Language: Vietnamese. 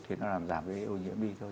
thì nó làm giảm ô nhiễm đi thôi